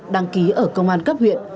đăng ký ở công an cấp huyện